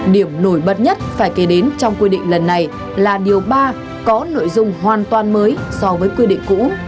điểm nổi bật nhất phải kể đến trong quy định lần này là điều ba có nội dung hoàn toàn mới so với quy định cũ